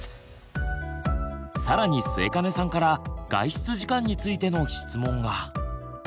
更に末金さんから外出時間についての質問が。